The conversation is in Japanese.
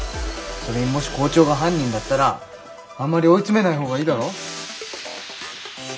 それにもし校長が犯人だったらあんまり追い詰めない方がいいだろ？